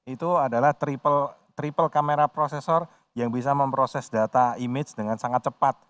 itu adalah triple kamera processor yang bisa memproses data image dengan sangat cepat